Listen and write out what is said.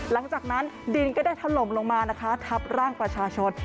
หลังจากนั้นดินก็ได้ถล่มลงมานะคะทับร่างประชาชน